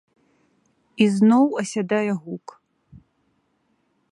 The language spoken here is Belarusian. І зноў асядае гук.